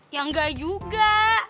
ya enggak juga